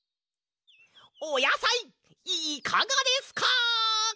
おやさいいかがですか！